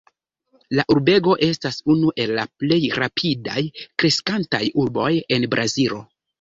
La urbego estas unu el la plej rapidaj kreskantaj urboj en Brazilo.